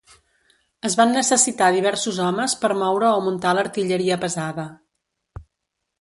Es van necessitar diversos homes per moure o muntar l'artilleria pesada.